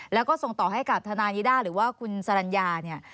แล้วก็ส่งต่อให้กับทนายนิด้าหรือว่าคุณสรรญาเนี่ย